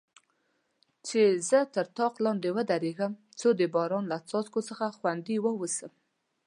چې زه تر طاق لاندې ودریږم، څو د باران له څاڅکو څخه خوندي واوسم.